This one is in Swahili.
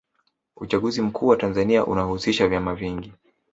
uchaguzi mkuu wa tanzania unahusisha vyama vingi